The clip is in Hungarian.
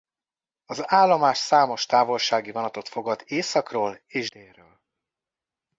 Az állomás számos távolsági vonatot fogad északról és délről.